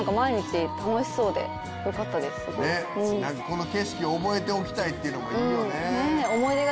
この景色を覚えておきたいっていうのもいいよね。